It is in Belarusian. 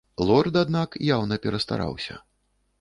Лорд, аднак, яўна перастараўся.